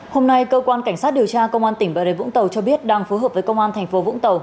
hôm nay cơ quan cảnh sát điều tra công an tỉnh bà rê vũng tàu cho biết đang phối hợp với công an thành phố vũng tàu